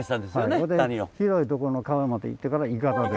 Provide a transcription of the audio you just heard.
ほんで広いとこの川まで行ってからいかだで。